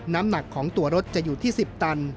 น้ำหนักของตัวรถจะอยู่ที่๑๐ตัน